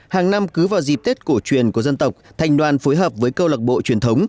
hàng năm cứ vào dịp tết cổ truyền của dân tộc thành đoàn phối hợp với câu lạc bộ truyền thống